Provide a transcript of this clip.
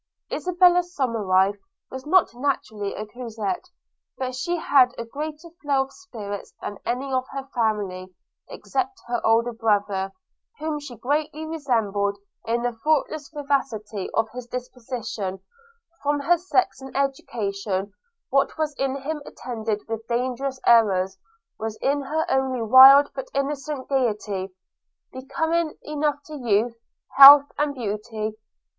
Isabella Somerive was not naturally a coquette: but she had a greater flow of spirits than any of her family, except her older brother, whom she greatly resembled in the thoughtless vivacity of his disposition; from her sex and education, what was in him attended with dangerous errors, was in her only wild but innocent gaiety, becoming enough to youth, health and beauty.